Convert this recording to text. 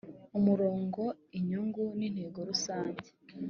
umurongo inyungu n intego rusange